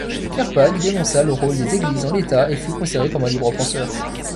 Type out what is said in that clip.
Koerbagh dénonça le rôle des Églises dans l'État, et fut considéré comme un libre-penseur.